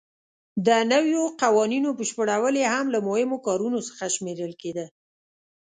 د نویو قوانینو بشپړول یې هم له مهمو کارونو څخه شمېرل کېده.